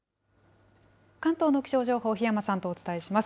関東の気象情報、檜山さんとお伝えします。